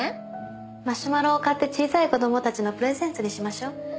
マシュマロを買って小さい子供たちのプレゼントにしましょう。